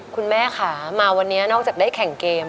คุณแม่ค่ะมาวันนี้นอกจากได้แข่งเกม